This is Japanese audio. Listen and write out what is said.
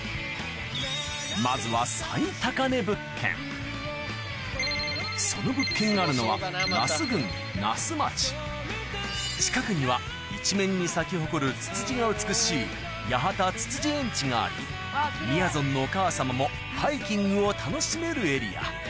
まずはその物件があるのは那須郡那須町近くには一面に咲き誇るつつじが美しい八幡つつじ園地がありみやぞんのお母様もハイキングを楽しめるエリア